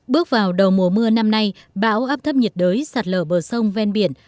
bước vào đầu mùa mưa năm nay bão áp thấp nhiệt đới sạt lở bờ sông ven biển